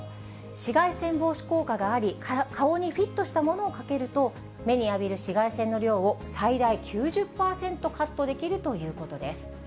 紫外線防止効果があり、顔にフィットしたものをかけると、目に浴びる紫外線の量を最大９０％カットできるということです。